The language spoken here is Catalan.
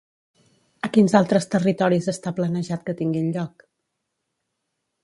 A quins altres territoris està planejat que tinguin lloc?